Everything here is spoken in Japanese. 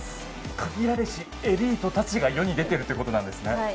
限られしエリートたちが世に出てるってことですね。